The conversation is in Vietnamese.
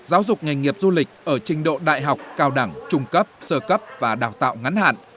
giáo dục nghề nghiệp du lịch ở trình độ đại học cao đẳng trung cấp sơ cấp và đào tạo ngắn hạn